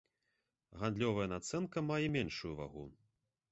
Гандлёвая нацэнка мае меншую вагу.